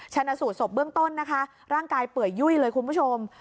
ชนะสูตรศพเบื้องต้นนะคะร่างกายเปื่อยยุ่ยเลยคุณผู้ชม